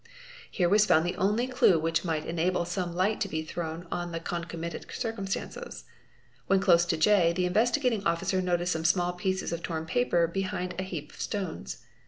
Here was found the only clue which might enable some light to be thrown on the concomitant circumstances. When close to J the Investi gating Officer noticed some small pieces of torn paper behind a heap of stones.